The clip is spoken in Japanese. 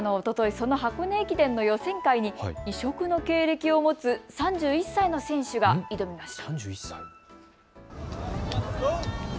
その箱根駅伝の予選会に異色の経歴を持つ３１歳の選手が挑みました。